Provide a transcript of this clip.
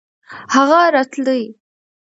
هغه راتلی .